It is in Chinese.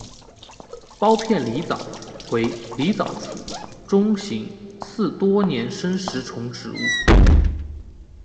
苞片狸藻为狸藻属中型似多年生食虫植物。